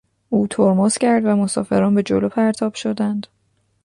او ترمز کرد و مسافران به جلو پرتاب شدند.